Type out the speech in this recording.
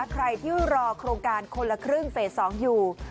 ใครที่รอโครงการคนละครึ่งเฟส๒อยู่